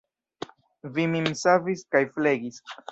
Vi min savis kaj flegis.